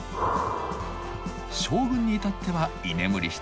将軍に至っては居眠りしているだけ。